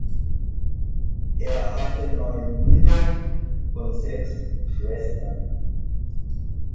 Er hatte neun Brüder und sechs Schwestern.